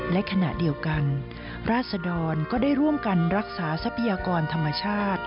และขณะเดียวกันราศดรก็ได้ร่วมกันรักษาทรัพยากรธรรมชาติ